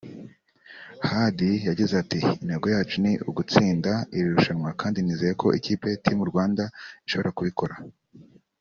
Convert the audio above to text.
Hadi yagize ati "Intego yacu ni ugutsinda iri rushanwa kandi nizeye ko ikipe (Team Rwanda) ishobora kubikora